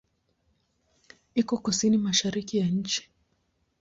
Iko kusini-mashariki ya nchi.